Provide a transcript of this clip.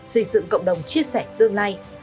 xây dựng cộng đồng chia sẻ tương lai